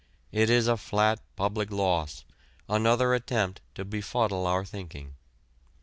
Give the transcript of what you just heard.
It is a flat public loss, another attempt to befuddle our thinking.